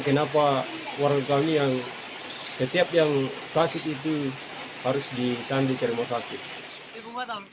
kenapa warga ini yang setiap yang sakit itu harus ditandu cari bawa sakit